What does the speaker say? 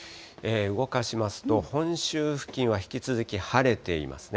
動かしますと、本州付近は引き続き晴れていますね。